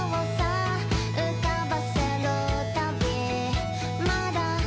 「浮かばせるたびまだ」